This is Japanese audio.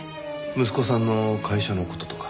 息子さんの会社の事とか？